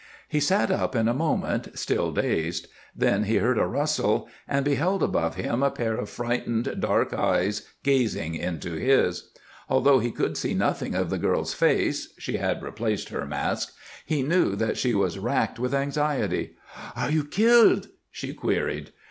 He sat up in a moment, still dazed; then he heard a rustle, and beheld above him a pair of frightened, dark eyes gazing into his. Although he could see nothing of the girl's face she had replaced her mask he knew that she was racked with anxiety. "Are you killed?" she queried.